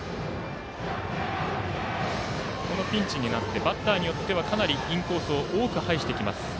このピンチになってバッターによってはかなりインコースを多く配してきます。